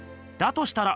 としたら